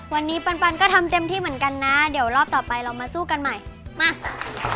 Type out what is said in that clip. วันนี้ปันปันก็ทำเต็มที่เหมือนกันนะเดี๋ยวรอบต่อไปเรามาสู้กันใหม่มาครับ